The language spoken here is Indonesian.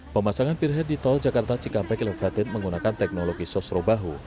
pemasangan pirhead di tol jakarta cikampek elevated menggunakan teknologi sosro bahu